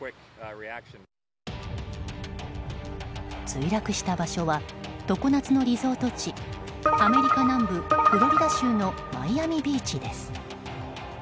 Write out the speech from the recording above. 墜落した場所は常夏のリゾート地アメリカ南部フロリダ州のマイアミビーチです。